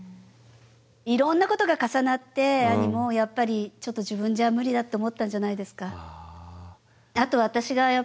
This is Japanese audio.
いろんなことが重なって兄もやっぱりちょっと自分じゃ無理だと思ったんじゃないですか。